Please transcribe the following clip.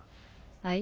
はい？